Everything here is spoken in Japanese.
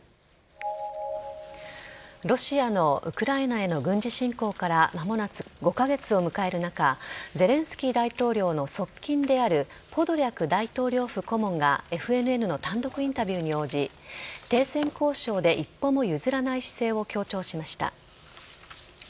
ロシアのウクライナへの軍事侵攻から間もなく５カ月を迎える中ゼレンスキー大統領の側近であるポドリャク大統領府顧問がＦＮＮの単独インタビューに応じ停戦交渉で一歩も譲らない姿勢を強調しました。